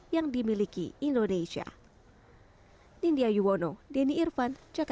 yang dimiliki indonesia